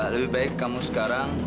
lebih baik kamu sekarang